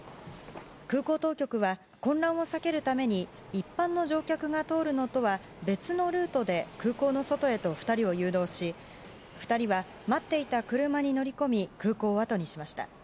空港当局は混乱を避けるために一般の乗客が通るのとは別のルートで空港の外へと２人を誘導し２人は待っていた車に乗り込み空港をあとにしました。